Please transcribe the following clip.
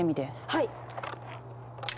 はい！